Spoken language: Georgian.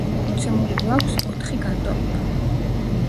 მოცემული გვაქვს ოთხი განტოლება.